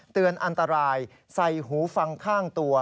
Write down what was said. เตือนอันตรายใส่หูฟังข้างตัว